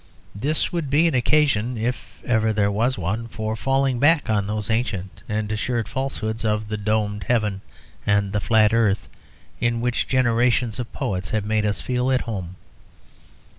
This would be an occasion, if ever there was one, for falling back on those ancient and assured falsehoods of the domed heaven and the flat earth in which generations of poets have made us feel at home.